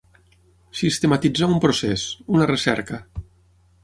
Sistematitzar un procés, una recerca.